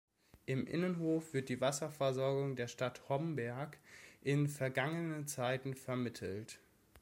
Im Innenhof wird die Wasserversorgung der Stadt Homberg in vergangenen Zeiten vermittelt.